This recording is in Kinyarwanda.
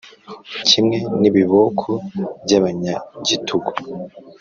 kimwe n’ibiboko by’abanyagitugu,